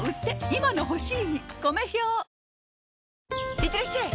いってらっしゃい！